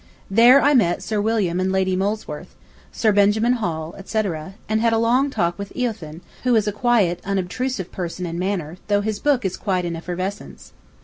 ... There I met Sir William and Lady Molesworth, Sir Benjamin Hall, etc., and had a long talk with "Eōthen," who is a quiet, unobtrusive person in manner, though his book is quite an effervescence.